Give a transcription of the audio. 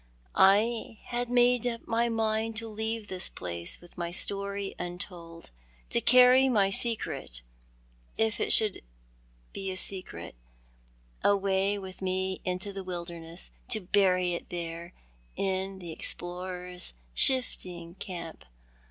I had made up my mind to leave this place with my story untold ; to carry my secret— if it should be a secret— away with Ill the Pine Wood. lor me into the ^viklerness, to bury it there in the explorer's shifting camp.